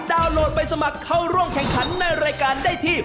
โหลดไปสมัครเข้าร่วมแข่งขันในรายการได้ที่